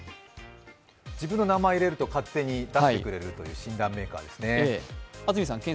自分の名前を入れると勝手に出してくれるという診断メーカーですね。